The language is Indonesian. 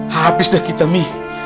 habis dah kita umi